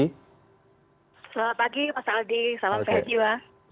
selamat pagi mas aldi salam sehat jiwa